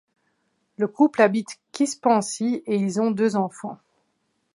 Le couple habite Quispamsis et ils ont deux enfants.